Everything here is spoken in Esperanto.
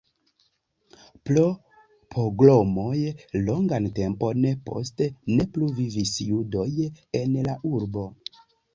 Pro pogromoj longan tempon poste ne plu vivis judoj en la urbo.